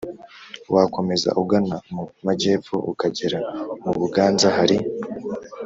wakomeza ugana mu majyepfo ukagera mu buganza hari